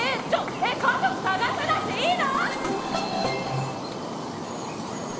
えっ家族捜さなくていいの？